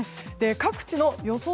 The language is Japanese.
各地の予想